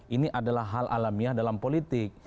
ini adalah hal alamiah dalam politik